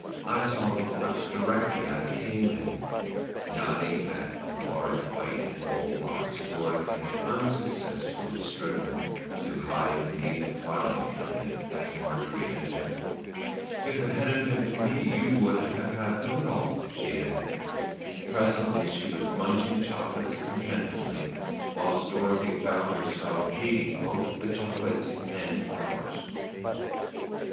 "I saw the box directly I came in," nodding at a large white and gold box that Dorothy had unsuccessfully striven to hide beneath a filing cabinet as Marjorie entered. "If it hadn't been for me you wouldn't have had them at all," she added. Presently she was munching chocolates contentedly, whilst Dorothy found herself hating both the chocolates and flowers.